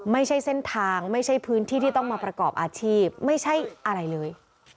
ไม่ใช่เส้นทางไม่ใช่พื้นที่ที่ต้องมาประกอบอาชีพไม่ใช่อะไรเลย